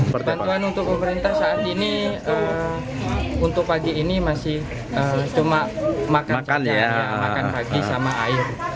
perbantuan untuk pemerintah saat ini untuk pagi ini masih cuma makan ya makan pagi sama air